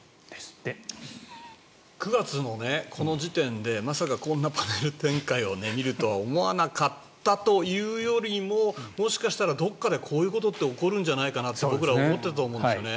９月のこの時点でまさかこんなパネル展開を見るとは思わなかったというよりももしかしたらどこかでこういうことって起こるんじゃないかって僕ら、思っていたと思うんですね。